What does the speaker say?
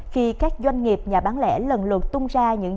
khi các doanh nghiệp nhà bán lẻ lần lượt tung ra những